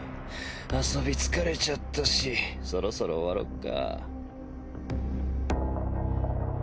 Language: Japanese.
遊び疲れちゃったしそろそろ終わろっか。